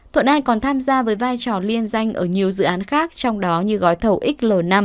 thuận an còn tham gia với vai trò liên danh ở nhiều dự án khác trong đó như gói thầu xl năm